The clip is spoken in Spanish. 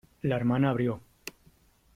la hermana abrió .